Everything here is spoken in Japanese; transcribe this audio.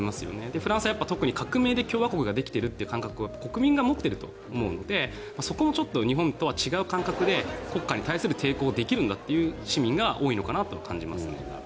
フランスは特に革命で共和国ができているという感覚を国民が持っていると思うのでそこはちょっと日本とは違う感覚で国家に対する抵抗ができるんだという市民が多いなと感じますね。